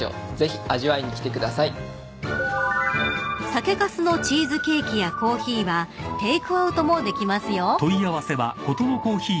［酒かすのチーズケーキやコーヒーはテークアウトもできますよ］